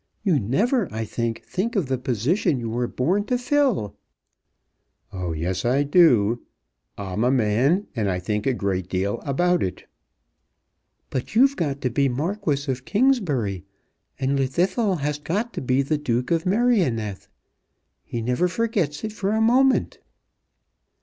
"You never, I think, think of the position you were born to fill." "Oh yes, I do. I'm a man, and I think a great deal about it." "But you've got to be Marquis of Kingsbury, and Llwddythlw has got to be Duke of Merioneth. He never forgets it for a moment."